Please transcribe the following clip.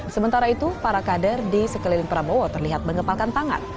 sementara itu para kader di sekeliling prabowo terlihat mengepalkan tangan